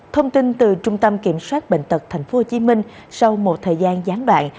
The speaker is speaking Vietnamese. thông tin từ trung tâm kiểm soát bệnh tật tp hcm sau một thời gian gián đoạn